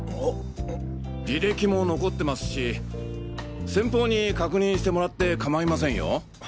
履歴も残ってますし先方に確認してもらって構いませんよ。